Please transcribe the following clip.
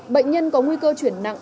bệnh nhân có nguy cơ chuyển nặng